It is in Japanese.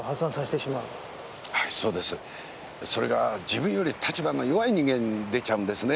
はいそうです。それが自分より立場の弱い人間に出ちゃうんですね。